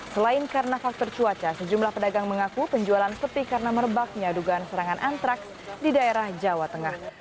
selain karena faktor cuaca sejumlah pedagang mengaku penjualan sepi karena merebaknya dugaan serangan antraks di daerah jawa tengah